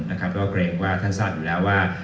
ก็เกรงว่าท่านทราบอยู่แล้วว่า